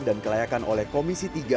dan kelayakan oleh komisi tiga